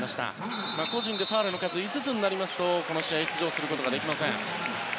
個人でファウルの数が５つになりますとこの試合に出場できません。